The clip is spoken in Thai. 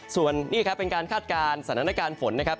ส่วนนี้ครับเป็นการคาดการณ์สถานการณ์ฝนนะครับ